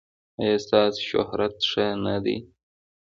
ایا ستاسو شهرت ښه نه دی؟